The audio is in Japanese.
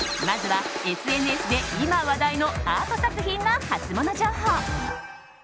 まずはＳＮＳで今、話題のアート作品のハツモノ情報。